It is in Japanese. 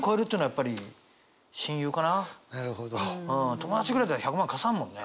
友達ぐらい１００万貸さんもんね。